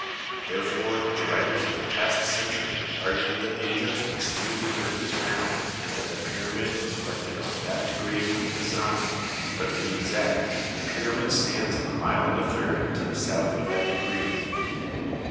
Therefore the writers of the past century argued that the Egyptians knew the earth is round and that the pyramid was erected on that degree with design, but to be exact the pyramid stands a mile and a third to the south of that degree.